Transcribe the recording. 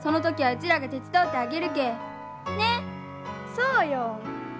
そうよ！